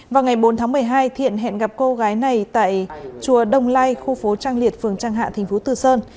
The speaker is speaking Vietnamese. vào ngày bốn tháng một mươi hai thiện hẹn gặp cô gái này tại chùa đông lai khu phố trang liệt phường trang hạ thành phố từ sơn